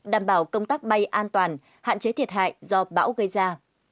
đảm bảo công tác bay an toàn hạn chế thiệt hại do bão gây ra